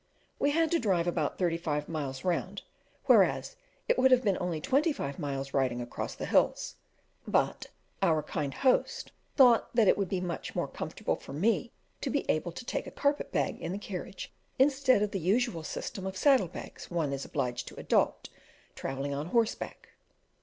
We had to drive about thirty five miles round, whereas it would have been only twenty miles riding across the hills; but our kind host thought that it would be much more comfortable for me to be able to take a carpet bag in the carriage instead of the usual system of saddle bags one is obliged to adopt travelling on horseback.